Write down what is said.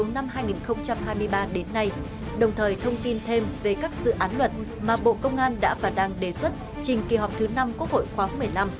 năm hai nghìn hai mươi ba đến nay đồng thời thông tin thêm về các dự án luật mà bộ công an đã và đang đề xuất trình kỳ họp thứ năm quốc hội khoáng một mươi năm